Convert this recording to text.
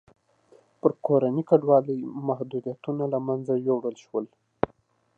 پر کورنۍ کډوالۍ محدودیتونه له منځه یووړل شول.